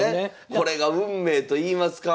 これが運命といいますか。